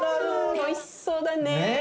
おいしそうだね。